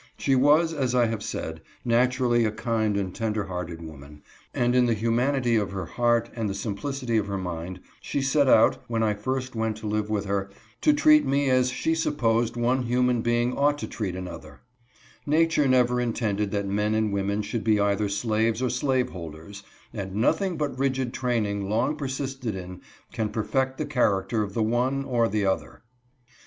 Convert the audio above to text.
She was, as I have said, naturally a kind and tender hearted woman, and in the humanity of her heart and the simplicity of her mind, she set out, when I first went to live with her, to treat me as she supposed one human being ought to treat another. \ (99) * 100 HOUSEHOLD HAPPINESS DESTROYED. Nature never intended that men and women should be either slaves or slaveholders, and nothing but rigid train ing long persisted in, can perfect the character of the one or the other.